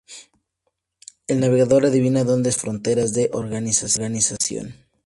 El navegador adivina donde están las fronteras de organización.